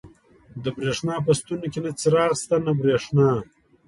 د برېښنا په ستنو کې نه څراغ شته، نه برېښنا.